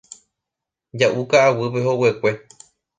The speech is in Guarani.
Ja'u ka'aguýpe hoguekue.